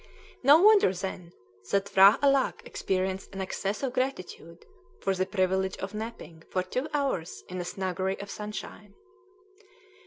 No wonder, then, that P'hra Alâck experienced an access of gratitude for the privilege of napping for two hours in a snuggery of sunshine.